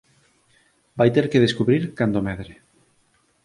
Vai ter que descubrir cando medre.